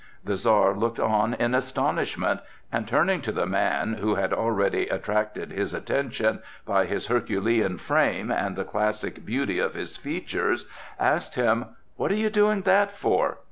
The Czar looked on in astonishment and turning to the man, who had already attracted his attention by his herculean frame and the classic beauty of his features, asked him: "What are you doing that for?"